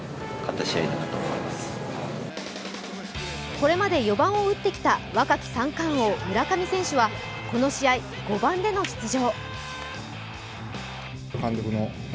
これまで４番を打ってきた若き三冠王・村上選手はこの試合、５番での出場。